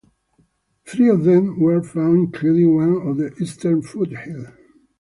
Three of them were found including one on the eastern foothill.